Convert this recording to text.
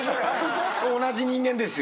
同じ人間ですよ。